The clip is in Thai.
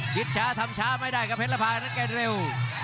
ช้าทำช้าไม่ได้ครับเพชรภานั้นแกเร็ว